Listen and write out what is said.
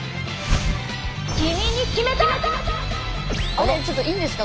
あれっちょっといいんですか？